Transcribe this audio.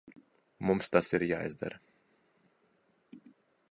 Mums tas ir jāizdara.